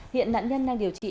hiện nạn nhân đang điều trị